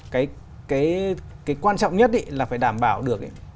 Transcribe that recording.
cái quan trọng nhất là phải đảm bảo được